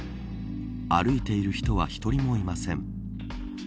歩いている人は一人もいません。